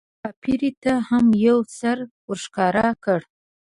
کاپري ته هم یو سر ورښکاره کړه.